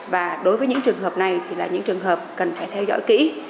và đối với những trường hợp này thì là những trường hợp cần phải theo dõi kỹ